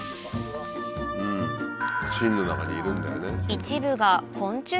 芯の中にいるんだよね。